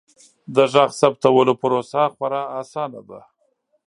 د غږ ثبتولو پروسه خورا اسانه ده.